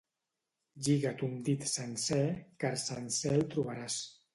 Lliga ton dit sencer, car sencer el trobaràs.